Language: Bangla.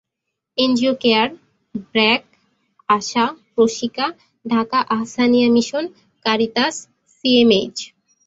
NGO CARE, BRAC, ASA, Proshika, Dhaka Ahsania mission, Caritas, CMH.